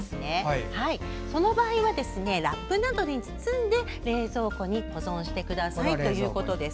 その場合は、ラップなどに包んで冷蔵庫に保存してくださいということです。